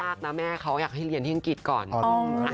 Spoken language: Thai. นะแม่เขาอยากให้เรียนที่อังกฤษก่อน